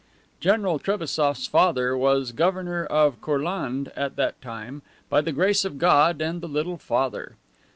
General Trebassof's father was governor of Courlande at that time, by the grace of God and the Little Father.